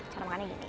cara makannya gini